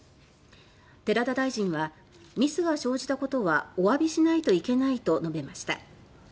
寺田大臣は「ミスが生じたことはお詫びしないといけない」と述べました。